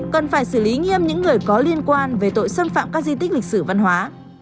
cần phải xử lý nghiêm những người có liên quan về tội xâm phạm các di tích lịch sử văn hóa